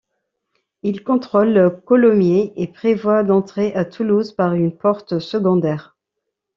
Ils contrôlent Colomiers et prévoient d'entrer à Toulouse par une porte secondaire.